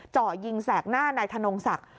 เจาะยิงแสกหน้านายธนงศักดิ์